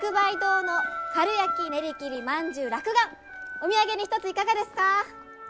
お土産に一ついかがですか？